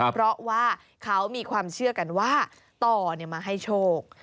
เพราะว่าเขามีความเชื่อกันว่าต่อมาให้โชค